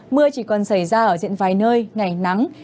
mưa chỉ còn xảy ra ở diện vài nơi ngày nắng